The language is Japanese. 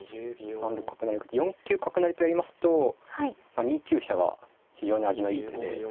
３六角成受けて４九角成とやりますと２九飛車が非常に味のいい手で。